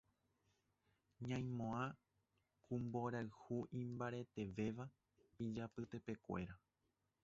Ñaimoã ku mborayhu imbaretevéva ijapytepekuéra.